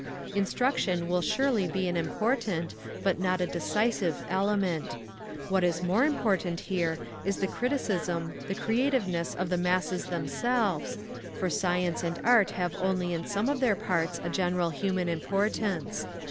Instruction will surely be an important but not a decisive element. What is more important here is the criticism, the creativeness of the masses themselves; for science and art have only in some of their parts a general human importance.